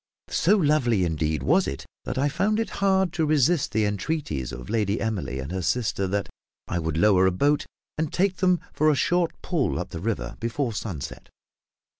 So lovely indeed was it that I found it hard to resist the entreaties of Lady Emily and her sister that I would lower a boat and take them for a short pull up the river before sunset.